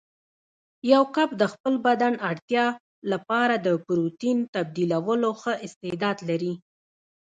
یو کب د خپل بدن اړتیا لپاره د پروتین تبدیلولو ښه استعداد لري.